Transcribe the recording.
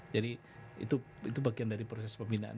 jadi itu bagian dari proses pembinaan